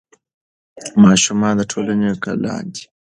ماشومان د ټولنې ګلان دي.